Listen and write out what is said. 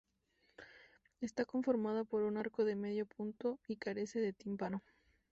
Está conformada por un arco de medio punto y carece de tímpano.